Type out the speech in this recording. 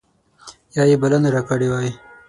یا یې بلنه راکړې وای.